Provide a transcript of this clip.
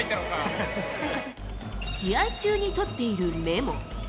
試合中に取っているメモ。